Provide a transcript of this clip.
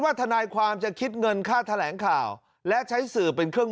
ทนายความจะคิดเงินค่าแถลงข่าวและใช้สื่อเป็นเครื่อง